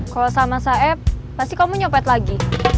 kalau sama saeb pasti kamu nyepet lagi